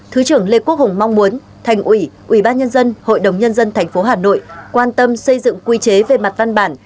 thứ trưởng lê quốc hùng mong muốn thành ủy ủy ban nhân dân hội đồng nhân dân tp hà nội quan tâm xây dựng quy chế về mặt văn bản